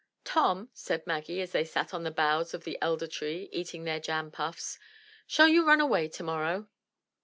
'Tom," said Maggie, as they sat on the boughs of the elder tree, eating their jam puffs, shall you run away tomorrow?"